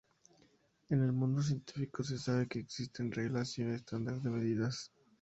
En el mundo científico, se sabe que existen reglas y un estándar de medidas.